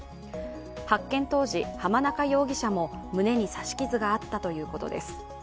発見当時、濱中容疑者も胸に刺し傷があったということです。